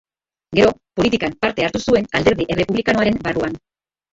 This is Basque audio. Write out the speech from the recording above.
Gero, politikan parte hartu zuen alderdi errepublikanoaren barruan.